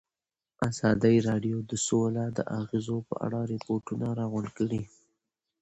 ازادي راډیو د سوله د اغېزو په اړه ریپوټونه راغونډ کړي.